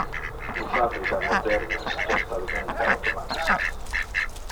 Un fabrica moderne es totalmente automatisate.